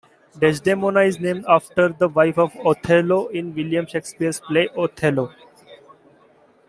Desdemona is named after the wife of Othello in William Shakespeare's play "Othello".